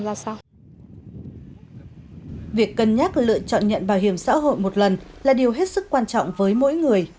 ra sao việc cân nhắc lựa chọn nhận bảo hiểm xã hội một lần là điều hết sức quan trọng với mỗi người